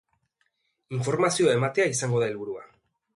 Informazioa ematea izango da helburua.